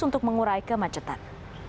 untuk mengurai kemacetan